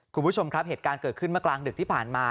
คุณผู้ชมครับเหตุการณ์เกิดขึ้นเมื่อกลางดึกที่ผ่านมา